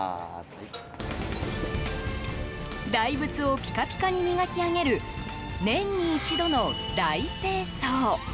大仏をピカピカに磨き上げる年に一度の大清掃。